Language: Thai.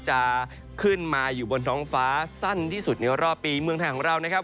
จะขึ้นมาอยู่บนท้องฟ้าสั้นที่สุดในรอบปีเมืองไทยของเรานะครับ